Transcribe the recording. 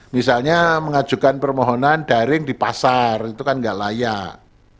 misalnya mengajukan permohonan daring di pasar itu kan nggak layak